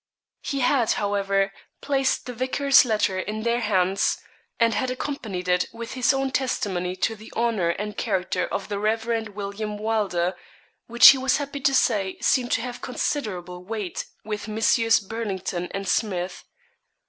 He had, however, placed the vicar's letter in their hands, and had accompanied it with his own testimony to the honour and character of the Rev. William Wylder, which he was happy to say seemed to have considerable weight with Messrs. Burlington and Smith.